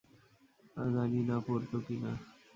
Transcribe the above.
জানি না পরতো কি না।